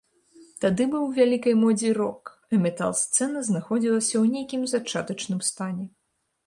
Тады быў у вялікай модзе рок, а метал-сцэна знаходзілася ў нейкім зачатачным стане.